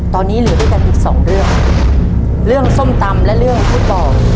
ตอนนี้เหลือด้วยกันอีกสองเรื่องเรื่องส้มตำและเรื่องฟุตบอล